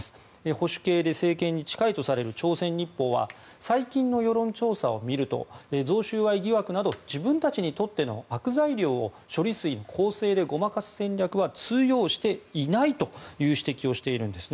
保守系で政権に近いとされる朝鮮日報は最近の世論調査を見ると贈収賄疑惑など自分たちにとっての悪材料を処理水の攻勢でごまかす戦略は通用していないと指摘しているんです。